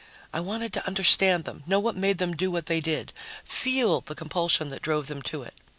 I wanted to understand them, know what made them do what they did, feel the compulsion that drove them to it.